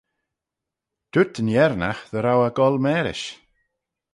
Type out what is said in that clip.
Dooyrt yn Yernagh dy row eh goll marish.